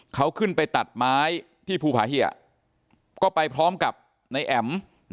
เขาขึ้นไปตัดไม้ที่ภูผาเหยะก็ไปพร้อมกับนายแอ๋ม